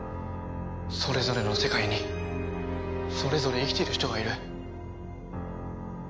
それぞれの世界にそれぞれ生きてる人がいる。